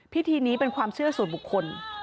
พิธีนี้เป็นความเชื่อส่วนบุคคล